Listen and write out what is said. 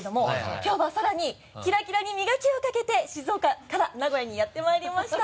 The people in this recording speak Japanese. きょうはさらにキラキラに磨きをかけて静岡から名古屋にやってまいりました。